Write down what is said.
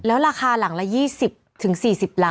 แล้วราคาหลังละ๒๐๔๐ล้าน